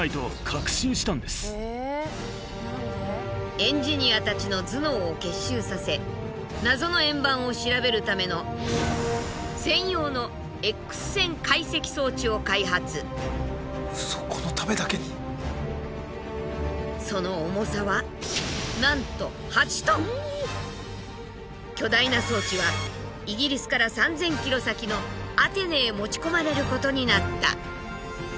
エンジニアたちの頭脳を結集させ謎の円盤を調べるためのその重さはなんと巨大な装置はイギリスから３，０００ｋｍ先のアテネへ持ち込まれることになった。